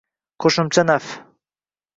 – qo‘shimcha naf.